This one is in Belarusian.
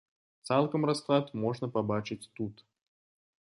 Цалкам расклад можна пабачыць тут.